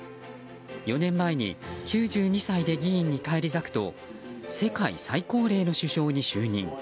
４年前に９２歳で議員に返り咲くと世界最高齢の首相に就任。